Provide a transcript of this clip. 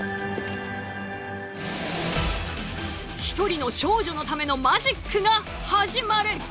一人の少女のためのマジックが始まる！